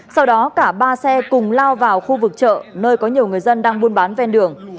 sau đó cả ba xe cùng lao vào khu vực chợ nơi có nhiều người dân đang buôn bán ven đường